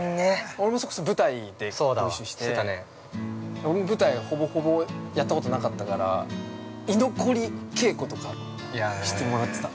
◆俺も舞台でご一緒して舞台は、ほぼほぼやったことなかったから居残り稽古とかしてもらってた。